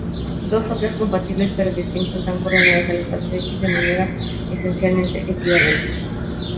Dos atlas compatibles pero distintos dan coordenadas al espacio "X" de maneras esencialmente equivalentes.